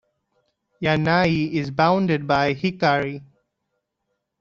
Yanai is bounded by Hikari.